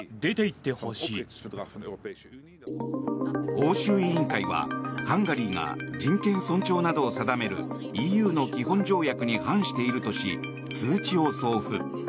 欧州委員会は、ハンガリーが人権尊重などを定めるＥＵの基本条約に反しているとし通知を送付。